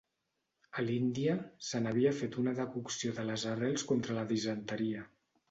A l'Índia se n'havia fet una decocció de les arrels contra la disenteria.